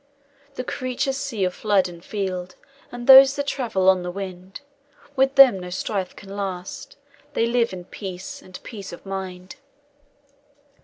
"The creatures see of flood and field, And those that travel on the wind With them no strife can last; they live In peace, and peace of mind.